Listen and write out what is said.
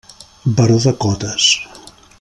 Baró de Cotes.